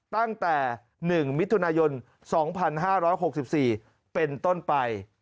ตั้งแต่๑มิถุนายน๒๕๖๔เป็นต้นไป